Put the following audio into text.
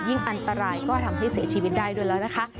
อันตรายก็ทำให้เสียชีวิตได้ด้วยแล้วนะคะ